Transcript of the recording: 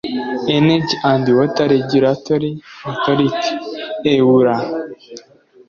Energy and Water Regulatory Authority (Ewura)